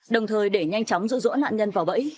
đồng thời để nhanh chóng rụ rỗ nạn nhân vào bẫy